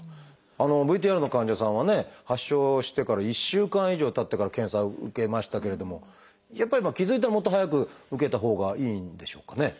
ＶＴＲの患者さんはね発症してから１週間以上たってから検査を受けましたけれどもやっぱり気付いたらもっと早く受けたほうがいいんでしょうかね？